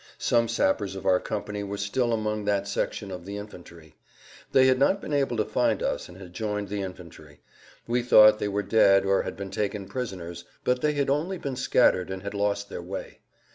Some sappers of our company were still among that section of the[Pg 121] infantry. They had not been able to find us and had joined the infantry. We thought they were dead or had been taken prisoners, but they had only been scattered and had lost their way.